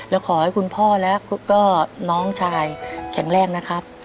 แล้วขอให้คุณพ่อแล้วก็น้องชายแข็งแรงนะครับ